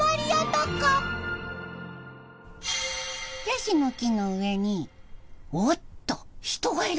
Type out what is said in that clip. ヤシの木の上におっと人がいる！